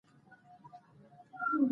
سنګر جوړ کړه.